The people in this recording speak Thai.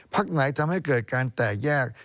ไหนทำให้เกิดการแตกแยก